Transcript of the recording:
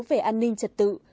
về an ninh trật tự